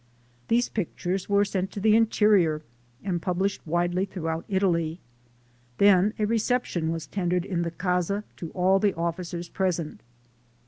These pictures were sent to the interior and published widely throughout Italy. Then a reception was tendered in the Casa to all the officers present.